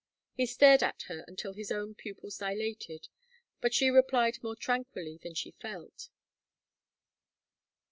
He stared at her until his own pupils dilated, but she replied more tranquilly than she felt.